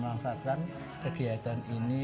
memanfaatkan kegiatan ini